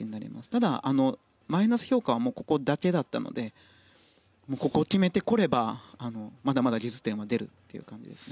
ただ、マイナス評価はここだけだったのでここを決めてくればまだまだ技術点は出るという感じです。